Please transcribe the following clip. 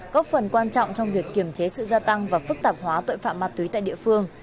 góp phần quan trọng trong việc kiểm chế sự gia tăng và phức tạp hóa tội phạm ma túy tại địa phương